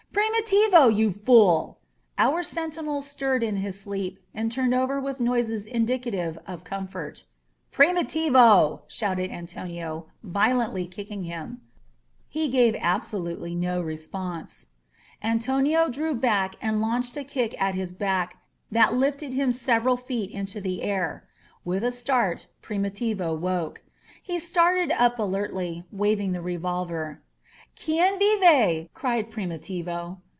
"Primitivo, you fool!" Our sentinel stirred in his sleep and turned over with noises indicative of com fort. "Primitivo !" shouted Antonio, violently kicking him. He gave absolutely no response. Antonio drew back and launched a kick at his back that lifted him several feet into the air. With a start Primitivo woke. He started up alertly, waving the revolver. "Qtden vivef cried Primitivo.